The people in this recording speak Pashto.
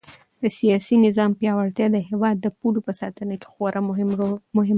د سیاسي نظام پیاوړتیا د هېواد د پولو په ساتنه کې خورا مهمه ده.